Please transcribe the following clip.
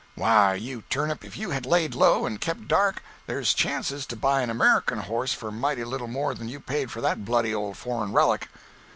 Why, you turnip, if you had laid low and kept dark, there's chances to buy an American horse for mighty little more than you paid for that bloody old foreign relic."